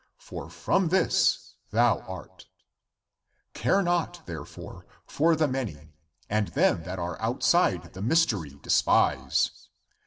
For from this thou art. Care not, therefore, for the many, and them that are outside the mystery despise!